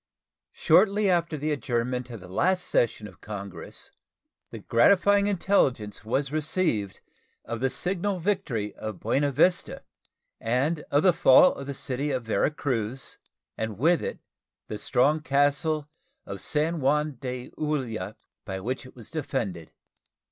Shortly after the adjournment of the last session of Congress the gratifying intelligence was received of the signal victory of Buena Vista, and of the fall of the city of Vera Cruz, and with it the strong castle of San Juan de Ulloa, by which it was defended.